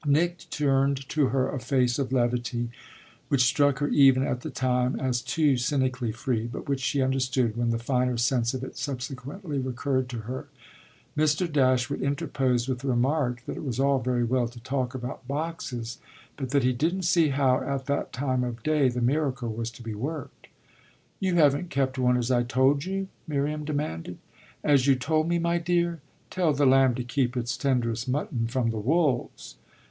Nick turned to her a face of levity which struck her even at the time as too cynically free, but which she understood when the finer sense of it subsequently recurred to her. Mr. Dashwood interposed with the remark that it was all very well to talk about boxes, but that he didn't see how at that time of day the miracle was to be worked. "You haven't kept one as I told you?" Miriam demanded. "As you told me, my dear? Tell the lamb to keep its tenderest mutton from the wolves!"